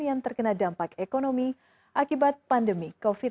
yang terkena dampak ekonomi akibat pandemi covid sembilan belas